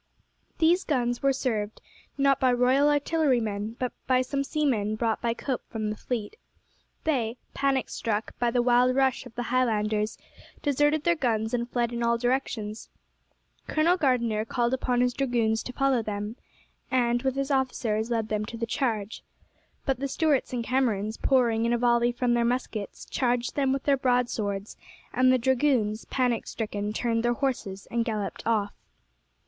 These guns were served, not by Royal Artillerymen, but by some seamen brought by Cope from the fleet. They, panic struck by the wild rush of the Highlanders, deserted their guns and fled in all directions. Colonel Gardiner called upon his dragoons to follow him, and with his officers led them to the charge. But the Stuarts and Camerons, pouring in a volley from their muskets, charged them with their broadswords, and the dragoons, panic stricken, turned their horses and galloped off.